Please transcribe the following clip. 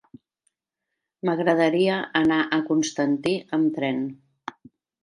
M'agradaria anar a Constantí amb tren.